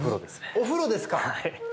お風呂ですか。